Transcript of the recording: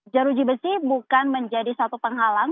jeruji besi bukan menjadi satu penghalang